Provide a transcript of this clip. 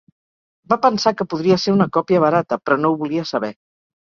Va pensar que podria ser una còpia barata, però no ho volia saber.